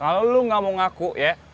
kalau lu gak mau ngaku ya